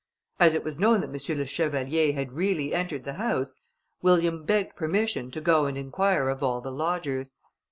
As it was known that M. le Chevalier had really entered the house, William begged permission to go and inquire of all the lodgers.